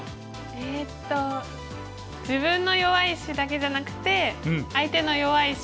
えっと自分の弱い石だけじゃなくて相手の弱い石も見つつ。